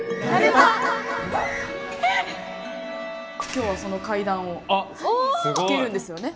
今日はその怪談を聴けるんですよね。